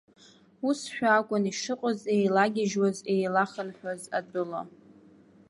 Усшәа акәын ишыҟаз еилагьежьуаз, еилахынҳәуаз атәыла.